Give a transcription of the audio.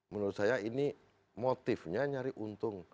menurut saya ini motifnya nyari untung